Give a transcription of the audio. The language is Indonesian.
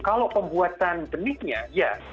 kalau pembuatan benihnya ya